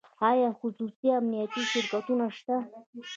آیا خصوصي امنیتي شرکتونه شته؟